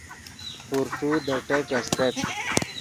پورݯو دے ٹیک استت